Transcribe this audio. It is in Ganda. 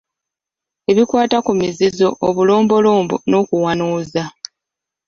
Ebikwata ku mizizo obulombolombo n'okuwanuuza.